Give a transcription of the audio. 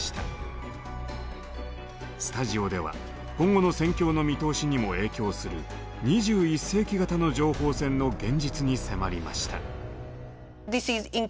スタジオでは今後の戦況の見通しにも影響する２１世紀型の情報戦の現実に迫りました。